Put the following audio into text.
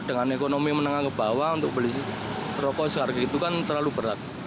dengan ekonomi menengah ke bawah untuk beli rokok seharga itu kan terlalu berat